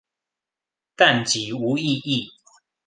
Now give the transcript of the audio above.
但己無意義